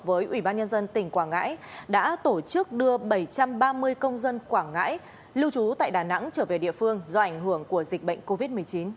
với ubnd tp quảng ngãi đã tổ chức đưa bảy trăm ba mươi công dân quảng ngãi lưu trú tại đà nẵng trở về địa phương do ảnh hưởng của dịch bệnh covid một mươi chín